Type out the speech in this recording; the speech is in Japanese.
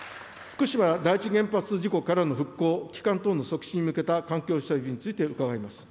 福島第一原発事故からの復興、帰還等の促進に向けた環境整備について伺います。